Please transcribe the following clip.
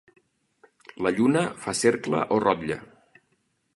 La lluna fa cercle o rotlle.